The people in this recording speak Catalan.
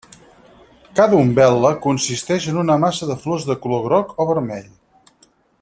Cada umbel·la consisteix en una massa de flors de color groc o vermell.